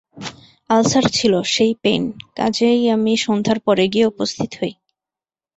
Ulcer ছিল, সেই pain, কাজেই আমি সন্ধ্যার পরে গিয়ে উপস্থিত হই।